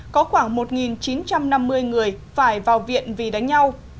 có khoảng một chín trăm năm mươi người phải vào viện vì đánh nhau